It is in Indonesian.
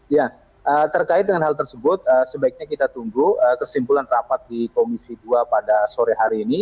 ya terkait dengan hal tersebut sebaiknya kita tunggu kesimpulan rapat di komisi dua pada sore hari ini